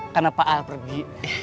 kenapa al pergi